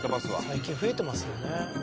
「最近増えてますよね」